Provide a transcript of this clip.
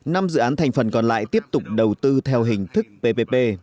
năm dự án thành phần còn lại tiếp tục đầu tư theo hình thức ppp